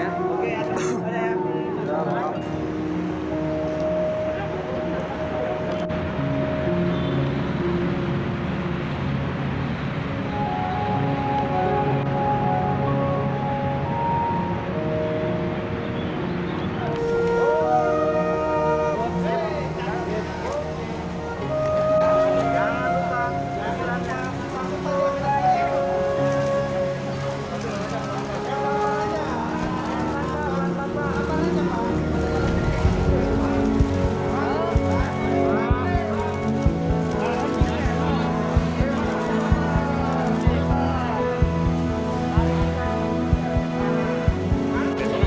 jangan lupa jangan lupa jangan lupa